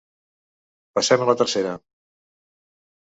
Passem a la tercera.